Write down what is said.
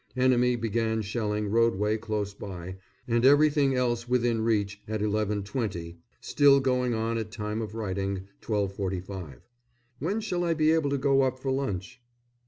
Enemy began shelling roadway close by, and everything else within reach, at 11.20; still going on at time of writing, 12.45. When shall I be able to go up for lunch?